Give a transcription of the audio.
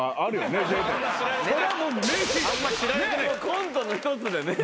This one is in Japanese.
コントの一つでね。